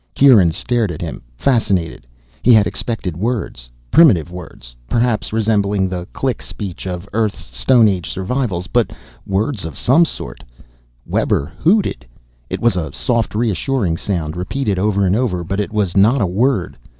Kieran stared at him, fascinated. He had expected words primitive words, perhaps resembling the click speech of Earth's stone age survivals, but words of some sort. Webber hooted. It was a soft reassuring sound, repeated over and over, but it was not a word.